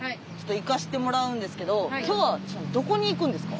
行かしてもらうんですけど今日はどこに行くんですか？